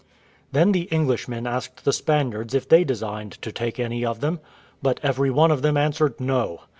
Then the Englishmen asked the Spaniards if they designed to take any of them? But every one of them answered "No."